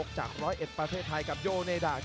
ดาวเชษฐัยหัวยูเนดา